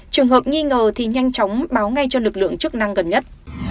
trường hợp nghi ngờ thì nhanh chóng báo ngay cho lực lượng chức năng gần nhất